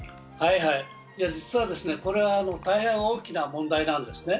実はこれは大変大きな問題なんですね。